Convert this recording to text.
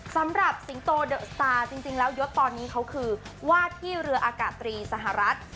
สำหรับสิงโตเดอะสตาร์จริงแล้วยศตอนนี้เขาคือวาดที่เรืออากาศตรีสหรัฐ